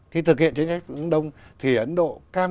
khi thực hiện chính sách phía đông thì ấn độ